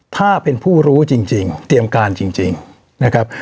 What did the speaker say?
ถ้าเป็นผู้รู้จริงเตรียมการจริงนะครับ